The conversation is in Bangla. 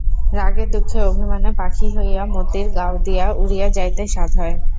রাগে দুঃখে অভিমানে পাখি হইয়া মতির গাওদিয়া উড়িয়া যাইতে সাধ হয়।